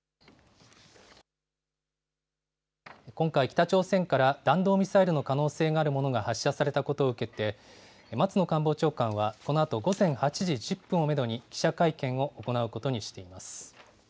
今回、北朝鮮から弾道ミサイルの可能性があるものが発射されたことを受けて、松野官房長官は、このあと午前８時１０分をメドに記者会見を行うことにしています。